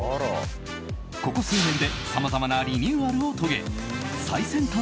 ここ数年でさまざまなリニューアルを遂げ最先端